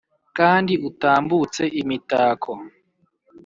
kandi utambutse imitako ?